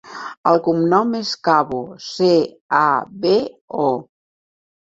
El cognom és Cabo: ce, a, be, o.